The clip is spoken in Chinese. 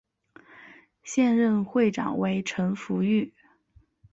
现任会长为陈福裕。